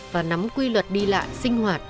và nắm quy luật đi lạ sinh hoạt